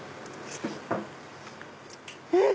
うん！